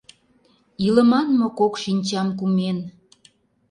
Илыман мо кок шинчам кумен?